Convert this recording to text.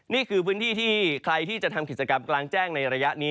นี่คือพื้นที่ที่ใครที่จะทำกิจกรรมกลางแจ้งในระยะนี้